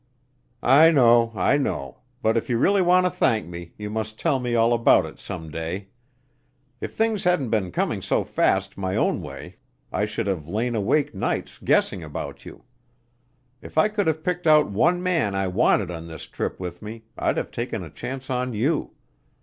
"I know, I know. But if you really want to thank me, you must tell me all about it some day. If things hadn't been coming so fast my own way I should have lain awake nights guessing about you. If I could have picked out one man I wanted on this trip with me I'd have taken a chance on you.